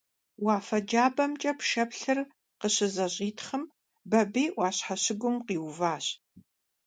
Уафэ джабэмкӀэ пшэплъыр къыщызэщӀитхъым, Бабий Ӏуащхьэ щыгум къиуващ.